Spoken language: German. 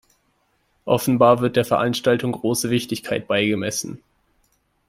Offenbar wird der Veranstaltung große Wichtigkeit beigemessen.